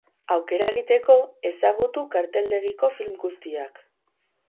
Aukera egiteko ezagutu karteldegiko film guztiak.